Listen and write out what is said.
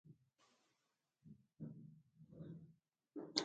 په چمن کښې تر ونو لاندې نجونې او هلکان لاس په لاس سره ګرځېدل.